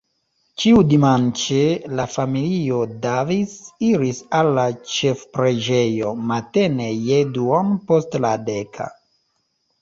Ĉiudimanĉe la familio Davis iris al la ĉefpreĝejo, matene je duono post la deka.